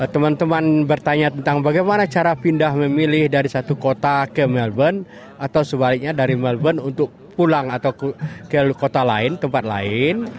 teman teman bertanya tentang bagaimana cara pindah memilih dari satu kota ke melbourne atau sebaliknya dari melbourne untuk pulang atau ke kota lain tempat lain